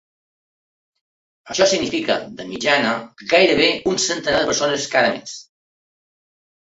Això significa, de mitjana, gairebé un centenar de persones cada mes.